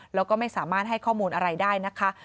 แล้วก็ไม่สามารถให้ข้อมูลอะไรได้นะคะ